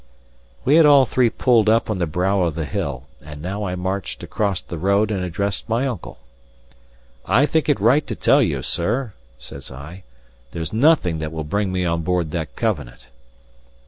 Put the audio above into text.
We had all three pulled up on the brow of the hill; and now I marched across the road and addressed my uncle. "I think it right to tell you, sir," says I, "there's nothing that will bring me on board that Covenant."